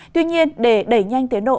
tuy nhiên để đẩy nhanh tiến độ